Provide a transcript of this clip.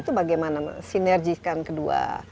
itu bagaimana sinerjikan kedua